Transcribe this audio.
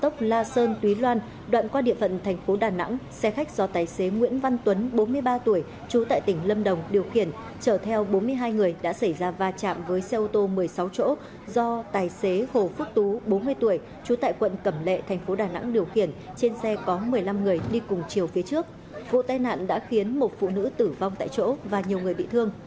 công an thành phố đà nẵng cho biết nguyên nhân ban đầu được xác định là do xe khách dường nằm